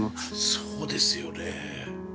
そうですよね。